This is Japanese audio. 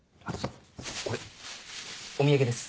これお土産です。